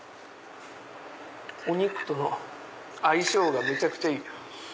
お肉との相性がめちゃくちゃいい。